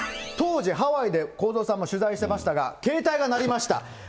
当時、ハワイで公造さんも取材してましたが、携帯が鳴りました。